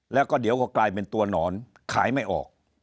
แล้วก็เดี๋ยวก็กลายเป็นตัวหนอนขายไม่ออก